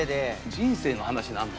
人生の話になんの？